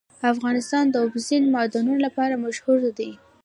افغانستان د اوبزین معدنونه لپاره مشهور دی.